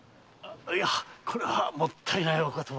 いやこれはもったいないお言葉。